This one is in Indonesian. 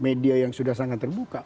media yang sudah sangat terbuka